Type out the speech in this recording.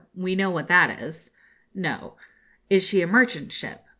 We know what that is.' 'No.' 'Is she a merchant ship?'